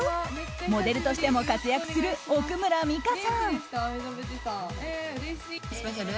モデルとしても活躍する奥村美香さん。